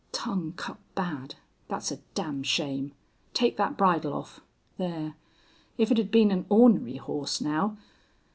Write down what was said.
"Tongue cut bad. Thet's a damn shame. Take thet bridle off.... There. If it'd been an ornery hoss, now....